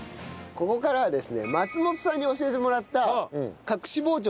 ここからはですね松本さんに教えてもらった。